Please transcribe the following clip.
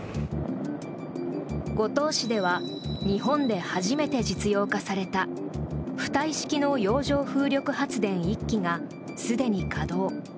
五島市では日本で初めて実用化された浮体式の洋上風力発電１基がすでに稼働。